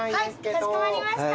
はいかしこまりました。